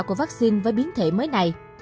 của vaccine với biến thể mới này